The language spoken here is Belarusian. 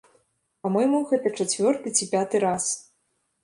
Па-мойму, гэта чацвёрты ці пяты раз.